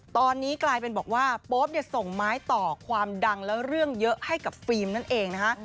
ตอนนี้กลายเป็นบอกว่าโป๊ปเนี่ยส่งไม้ต่อความดังและเรื่องเยอะให้กับฟิล์มนั่นเองนะคะ